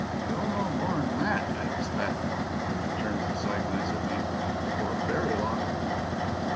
"They'll know more'n that, I expec'," he returned with a side glance at me, "before VERY long."